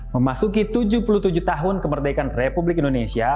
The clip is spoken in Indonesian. memasuki tujuh puluh tujuh tahun kemerdekaan republik indonesia